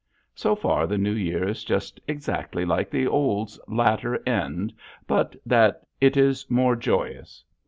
So far the new year is just exactly like the old's latter end but that it is more joyous.